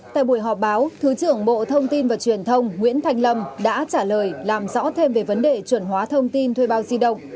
tại buổi họp báo thứ trưởng bộ thông tin và truyền thông nguyễn thanh lâm đã trả lời làm rõ thêm về vấn đề chuẩn hóa thông tin thuê bao di động